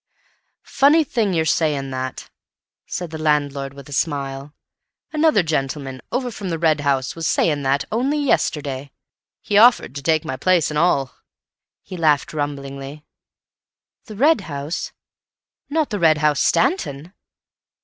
"Funny thing your saying that," said the landlord, with a smile. "Another gentleman, over from the Red House, was saying that only yesterday. Offered to take my place an all." He laughed rumblingly. "The Red House? Not the Red House, Stanton?"